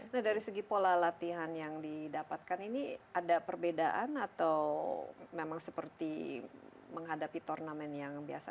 nah dari segi pola latihan yang didapatkan ini ada perbedaan atau memang seperti menghadapi turnamen yang biasa